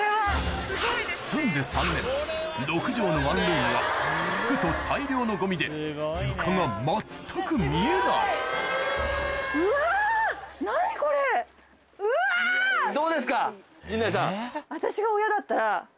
住んで３年６帖のワンルームは服と大量のゴミで床が全く見えない陣内さん。